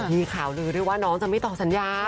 มีข่าวลือด้วยว่าน้องจะไม่ต่อสัญญา